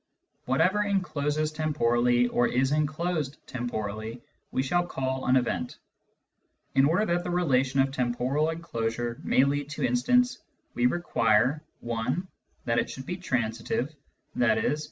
Whatever encloses temporally or is enclosed temporally we shall call an "event." In order that the relation of temporal enclosure may be a "point producer," we require (i) that it should be transitive, i.e.